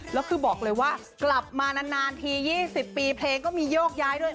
แล้วคือบอกเลยว่ากลับมานานที๒๐ปีเพลงก็มีโยกย้ายด้วย